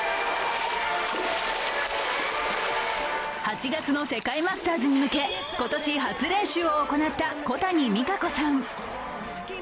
８月の世界マスターズに向け、今年、初練習を行った小谷実可子さん。